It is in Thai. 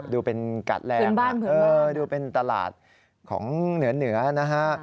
ดูเป็นกัดแรงดูเป็นตลาดของเหนือนะฮะ